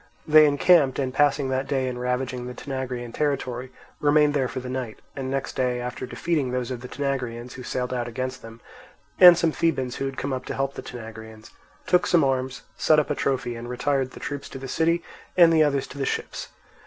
They encamped, and passing that day in ravaging the Tanagraean territory, remained there for the night; and next day, after defeating those of the Tanagraeans who sailed out against them and some Thebans who had come up to help the Tanagraeans, took some arms, set up a trophy, and retired, the troops to the city and the others to the ships.